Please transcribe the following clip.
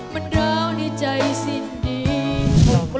มันร้าวในใจสิ้นดี